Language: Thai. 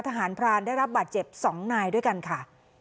ทหารพรานได้รับบาดเจ็บ๒นายด้วยกันค่ะ